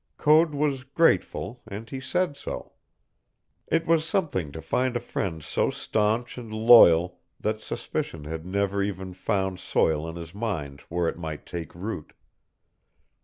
Code was grateful, and he said so. It was something to find a friend so stanch and loyal that suspicion had never even found soil in his mind where it might take root.